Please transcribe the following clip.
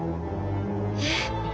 えっ？